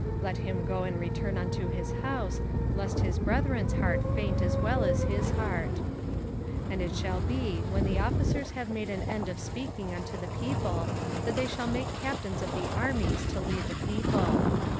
let him go and return unto his house, lest his brethren's heart faint as well as his heart. 05:020:009 And it shall be, when the officers have made an end of speaking unto the people that they shall make captains of the armies to lead the people.